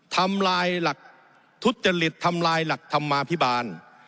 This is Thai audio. ทำลายหลักทุจริตทำลายหลักธรรมาภิบาล